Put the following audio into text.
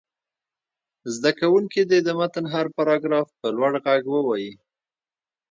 زده کوونکي دې د متن هر پراګراف په لوړ غږ ووايي.